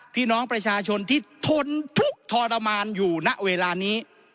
พี่น้องประชาชนที่ทนทุกข์ทรมานอยู่ณเวลานี้